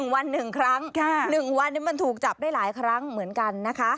วัน๑ครั้ง๑วันนี้มันถูกจับได้หลายครั้งเหมือนกันนะคะ